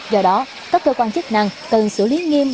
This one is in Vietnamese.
do đó các cơ quan chức năng cần xử lý nghiêm